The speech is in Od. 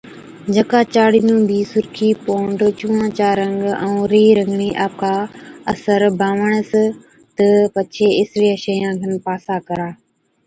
جڪا چاڙي نُون بِي سُرخِي، پونڊر، چُونڻان چا رنگ ائُون رِيهرنگڻِي آپڪا اثر بانوَڻس تہ پڇي اِسڙِيان شئِيان کن پاسا ڪرا۔